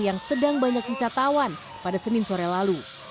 yang sedang banyak wisatawan pada senin sore lalu